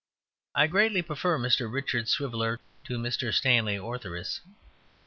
I greatly prefer Mr. Richard Swiveller to Mr. Stanley Ortheris.